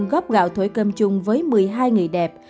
góp gạo thổi cơm chung với một mươi hai người đẹp